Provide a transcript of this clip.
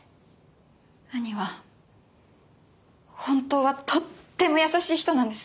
兄は本当はとっても優しい人なんです。